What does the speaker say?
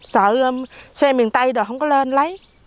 sợ xe miền tây không có lên lấy